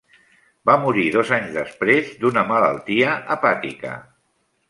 Va morir dos anys després d'una malaltia hepàtica.